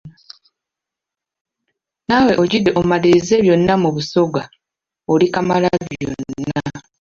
Naawe ogidde omalirize byonna mu Busoga oli Kamalabyonna!